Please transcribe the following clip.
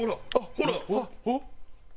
ほら！